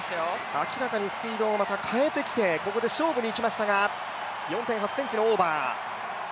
明らかにスピードをまた変えてきて、ここで勝負にいきましたが、４．８ｃｍのオーバー。